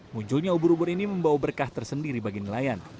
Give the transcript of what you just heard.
munculnya ubur ubur ini membawa berkah tersendiri bagi nelayan